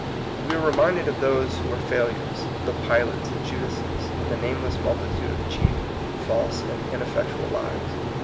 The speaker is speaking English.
We are reminded of those who are fail ures, of the Pilates and Judases, and the nameless multitude of cheap, false, and ineffectual lives.